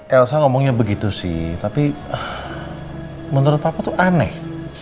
elsa ngomongnya begitu sih tapi menurut papa tuh aneh